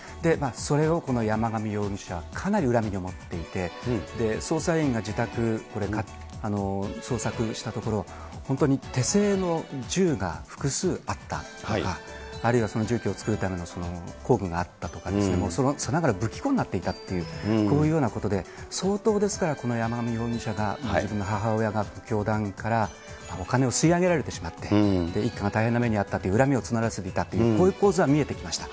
それをこの山上容疑者、かなり恨みに思っていて、捜査員が自宅、これ、捜索したところ、本当に手製の銃が複数あったとか、あるいは銃器を作るための工具があったとか、さながら武器庫になっていたという、こういうようなことで、相当、ですから、この山上容疑者が自分の母親が教団からお金を吸い上げられてしまって、一家が大変な目に遭ったという恨みを募らせていたという、こういう構図が見えてきました。